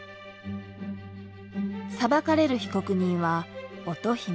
裁かれる被告人は乙姫。